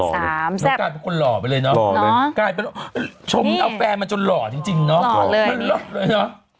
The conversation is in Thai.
กลายเป็นคนหล่อไปเลยเนอะชมเอาแฟนมาจนหล่อจริงเนอะมันหล่อเลยเนอะ